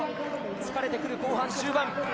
疲れてくる後半、終盤。